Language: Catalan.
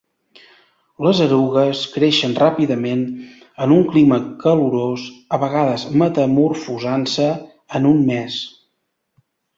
Les erugues creixen ràpidament en un clima calorós, a vegades metamorfosant-se en un mes.